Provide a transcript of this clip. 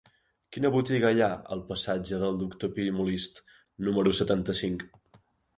Quina botiga hi ha al passatge del Doctor Pi i Molist número setanta-cinc?